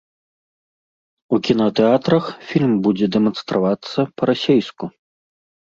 У кінатэатрах фільм будзе дэманстравацца па-расейску.